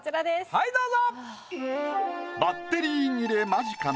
はいどうぞ！